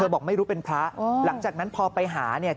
บอกไม่รู้เป็นพระหลังจากนั้นพอไปหาเนี่ย